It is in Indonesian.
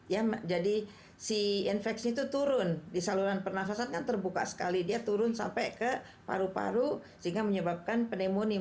ya jadi si infeksi itu turun di saluran pernafasan kan terbuka sekali dia turun sampai ke paru paru sehingga menyebabkan pneumonia